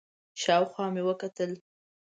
شاوخوا مې وکتل،